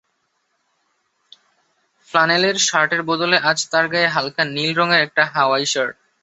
ফ্লানেলের শার্টের বদলে আজ তার গায়ে হালকা নীল রঙের একটা হাওয়াই শার্ট।